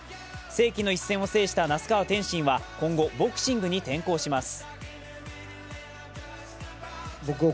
世紀の一戦を制した那須川天心は、今後ボクシングに転向します。